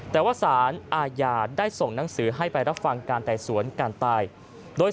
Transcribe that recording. แต่ว่าสารอาญาได้ส่งหนังสือให้ไปรับฟังการไต่สวนการตายโดย